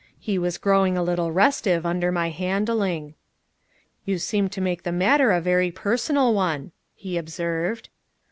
He was growing a little restive under my handling. "You seem to make the matter a very personal one," he observed.